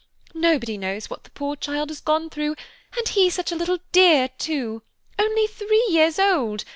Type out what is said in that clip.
Nobody knows what that poor child has gone through, and he such a little dear, too! Only three years old!